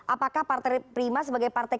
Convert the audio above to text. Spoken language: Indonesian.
apakah partai prima sebagai partai